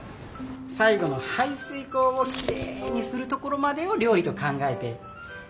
最後の排水口をきれいにするところまでを料理と考えて手際よく美しく。